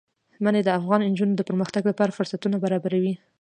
منی د افغان نجونو د پرمختګ لپاره فرصتونه برابروي.